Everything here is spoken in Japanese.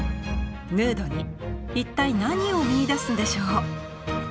ヌードに一体何を見いだすんでしょう？